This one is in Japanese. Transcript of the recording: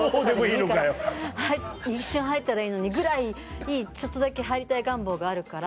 一瞬入ったらいいのにぐらいちょっとだけ入りたい願望があるから。